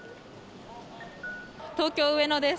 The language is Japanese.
東京・上野です。